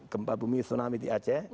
gempa bumi tsunami di aceh